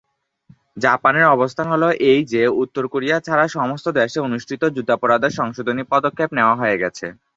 জাপানের অবস্থান হল এই যে, উত্তর কোরিয়া ছাড়া সমস্ত দেশে অনুষ্ঠিত যুদ্ধাপরাধের সংশোধনী পদক্ষেপ নেওয়া হয়ে গেছে।